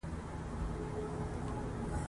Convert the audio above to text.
پرمختګ او سیالي د ژوند د ښه والي لامل کیږي.